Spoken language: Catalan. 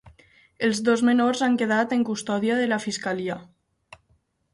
Els dos menors han quedat en custòdia de la fiscalia.